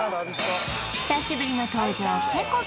久しぶりの登場